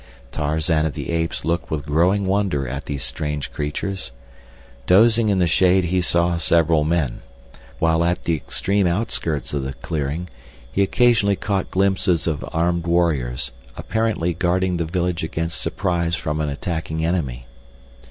Tarzan of the Apes looked with growing wonder at these strange creatures. Dozing in the shade he saw several men, while at the extreme outskirts of the clearing he occasionally caught glimpses of armed warriors apparently guarding the village against surprise from an attacking enemy.